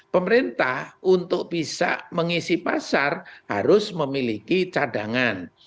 pemerintah untuk bisa mengisi pasar harus memiliki cadangan